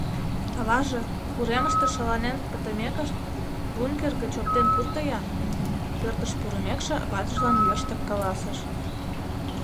— Аваже, уремыште шаланен пытымекышт, бункер гыч оптен пурто-ян! — пӧртыш пурымекше, ватыжлан йыштак каласыш.